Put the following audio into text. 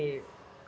di era perubahan